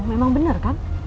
memang bener kan